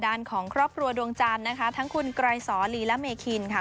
ด้านของครอบครัวดวงจันทร์นะคะทั้งคุณไกรสอลีและเมคินค่ะ